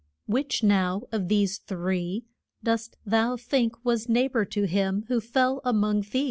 Which now of these three dost thou think was neigh bor to him who fell a mong thieves?